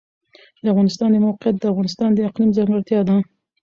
د افغانستان د موقعیت د افغانستان د اقلیم ځانګړتیا ده.